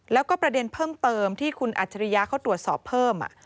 แล้วก็ประเด็นเพิ่มเติมที่คุณอัจฉริยะเขาตรวจสอบเพิ่ม